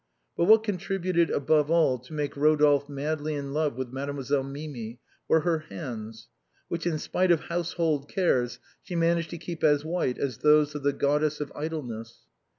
But what contributed above all to make Eodolphe madly in love with Mademoiselle Mimi were her hands, which, in spite of household cares, she managed to keep as white as those of the Goddess of Idleness.